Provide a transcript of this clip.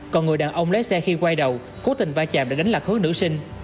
còn người đàn ông lái xe khi quay đầu cố tình va chạm để đánh lạc hướng nữ sinh